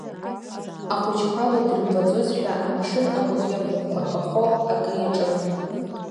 Ахәыҷқәа уи дрымбаӡозшәа амшын агәахьы рнапқәа рхахо акы иаҿын.